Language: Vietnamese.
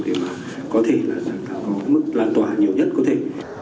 để mà có thể là mức lan tỏa nhiều nhất có thể